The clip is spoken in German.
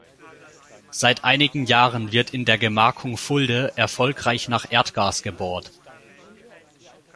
Seit einigen Jahren wird in der Gemarkung Fulde erfolgreich nach Erdgas gebohrt.